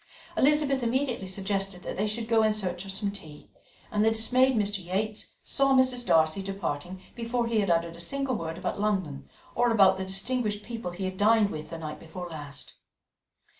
Elizabeth immediately suggested that they should go in search of some tea, and the dismayed Mr. Yates saw Mrs. Darcy departing before he had uttered a single word about London, or about the distinguished people he had dined with the night before last.